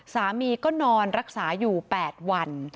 สามีก็นอนรักษาอยู่๘วัน